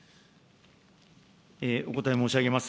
お答え申し上げます。